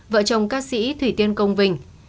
vợ chồng cá sĩ thủy tiên công vinh